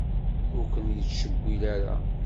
Ur ken-yettcewwil ara.